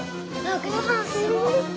ごはんすごい。